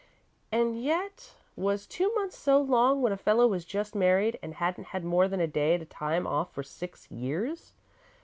And yet was two months so long, when a fellow was just married, and hadn't had more than a day at a time off for six years?